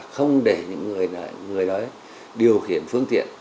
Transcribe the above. không để những người đó điều khiển phương tiện